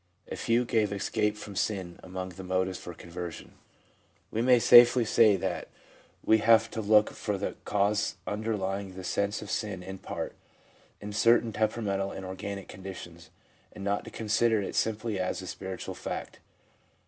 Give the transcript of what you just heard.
A few gave escape from sin among the motives for conversion. We may safely say that we have to look for the cause under lying the sense of sin, in part, in certain temperamental and organic conditions, and not to consider it simply as a spiritual fact.